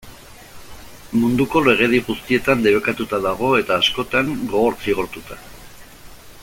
Munduko legedi guztietan debekatuta dago eta, askotan, gogor zigortuta.